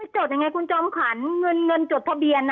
จดอย่างไรคุณจอมขวานเงินจดทะเบียน